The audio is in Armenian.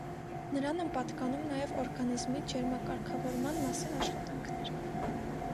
Նրան են պատկանում նաև օրգանիզմի ջերմակարգավորման մասին աշխատանքներ։